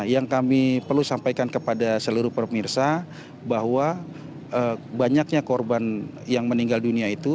yang kami perlu sampaikan kepada seluruh pemirsa bahwa banyaknya korban yang meninggal dunia itu